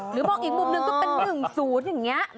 หรือมองอีกมุมนึงก็เป็นหนึ่งศูนอย่างเงี้ย